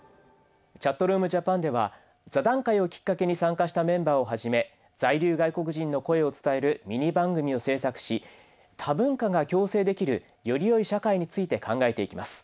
「ＣｈａｔｒｏｏｍＪａｐａｎ」では座談会をきっかけに参加したメンバーをはじめ在留外国人の声を伝えるミニ番組を制作し多文化が共生できるよりよい社会について考えていきます。